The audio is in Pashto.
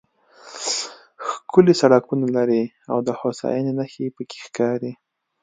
ښکلي سړکونه لري او د هوساینې نښې پکې ښکاري.